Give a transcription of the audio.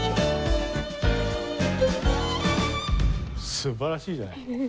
素晴らしいじゃない。